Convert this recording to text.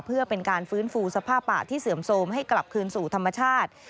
เพื่อเป็นการฟื้นฟูสภาพป่าที่เสื่อมโทรมให้กลับคืนสู่ธรรมชาติ